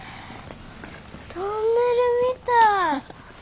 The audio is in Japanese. トンネルみたい。